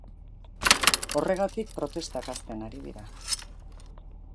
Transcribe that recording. Horregatik, protestak hazten ari dira.